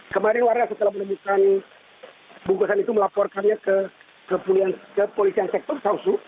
kemarin warga setelah menemukan bungkusan itu melaporkannya ke kepolisian sektor sausu